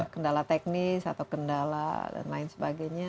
kendala teknis atau kendala dan lain sebagainya